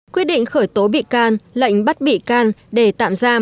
quyết định khởi tố bị can lệnh bắt bị can để tạm giam